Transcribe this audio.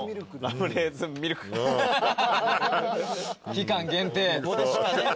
期間限定。